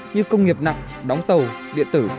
như công nghiệp nặng đóng tàu điện tử